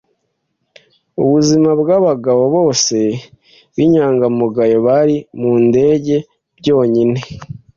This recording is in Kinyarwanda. ubuzima bwabagabo bose b'inyangamugayo bari mundege byonyine